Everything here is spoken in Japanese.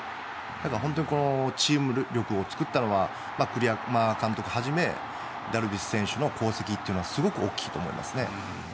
だから本当にこのチーム力を作ったのは栗山監督はじめダルビッシュ選手の功績というのはすごく大きいと思います。